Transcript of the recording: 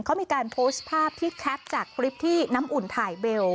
เขามีการโพสต์ภาพที่แคปจากคลิปที่น้ำอุ่นถ่ายเบล